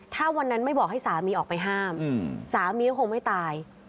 ถ้าวันนั้นไม่บอกให้สามีออกไปห้ามสามีก็คงไม่ตาย